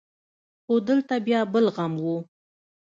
خو دلته بيا بل غم و.